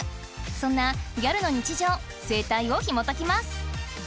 そんなギャルの日常・生態をひも解きます！